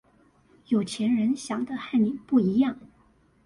有錢人想的和你不一樣